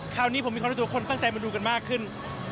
คราวนี้ผมมีความรู้สึกว่าคนตั้งใจมาดูกันมากขึ้น